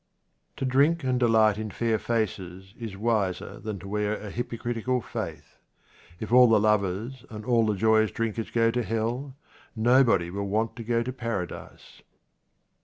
To drink and delight in fair faces is w T iser than to wear a hypocritical faith. If all the lovers and all the joyous drinkers go to hell, nobody will want to go to Paradise.